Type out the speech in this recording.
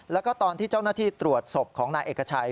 แล้วก็ตอนที่เจ้าหน้าที่ตรวจศพของนายเอกชัย